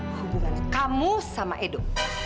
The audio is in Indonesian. hubungan kamu sama edo